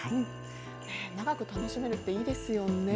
長く楽しめるっていいですよね。